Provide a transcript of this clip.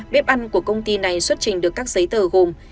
bếp ăn của công ty này xuất trình được các giấy tờ gồm